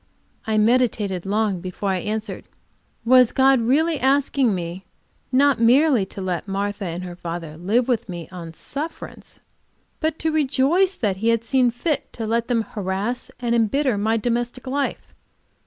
I meditated long before I answered. Was God really asking me not merely to let Martha and her father live with me on sufferance, but to rejoice that He had seen fit to let them harass and embitter my domestic life?